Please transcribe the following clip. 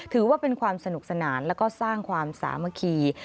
ถือว่าเป็นความสนุกสนานแล้วก็สร้างความสามัคคี